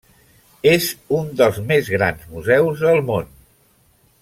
És un dels més grans museus del món.